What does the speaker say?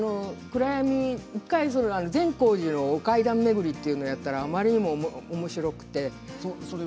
暗闇善光寺のお階段巡りというのをやったらあまりにもおもしろくて。